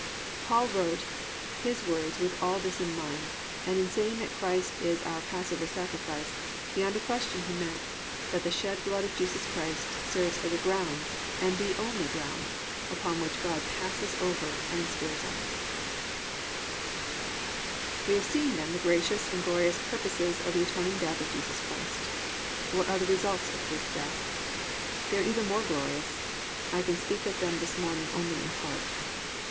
"+ Paul wrote his words with all this in mind, and in saying that Christ is our Passover sacrifice beyond a question he meant that the shed blood of Jesus Christ serves as a ground, and the only ground, upon which God passes over and spares us. III. THE RESULTS OF THE ATONING DEATH We have seen then the gracious and glorious purposes of the Atoning Death of Jesus Christ. What are the results of that death? They are even more glorious. I can speak of them this morning only in part.